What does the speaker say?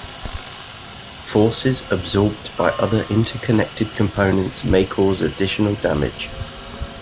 Forces absorbed by other interconnected components may cause additional damage.